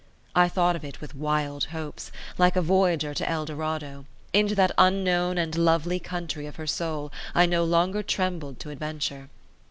I thought of it with wild hopes, like a voyager to El Dorado; into that unknown and lovely country of her soul, I no longer trembled to adventure.